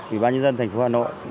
ủy ban nhân dân thành phố hà nội